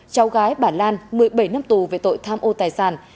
cháu gái bà lan một mươi bảy năm tù về tội tham ô tài sản